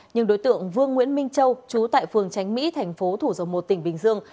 nhưng đối tượng vương nguyễn minh châu chú tại phường tránh mỹ thành phố thủ dầu một tỉnh bình dương